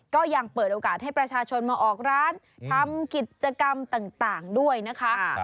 ก็ยังเปิดโอกาสให้ประชาชนมาออกร้านทำกิจกรรมต่างด้วยนะคะ